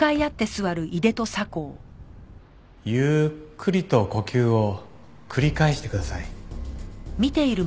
ゆっくりと呼吸を繰り返してください。